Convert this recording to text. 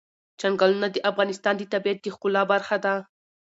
چنګلونه د افغانستان د طبیعت د ښکلا برخه ده.